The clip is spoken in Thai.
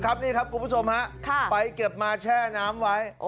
นี่ครับคุณผู้ชมฮะไปเก็บมาแช่น้ำไว้